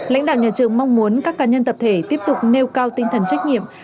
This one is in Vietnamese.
lãnh đạo nhà trường mong muốn các cá nhân tập thể tiếp tục nêu cao tinh thần trách nhiệm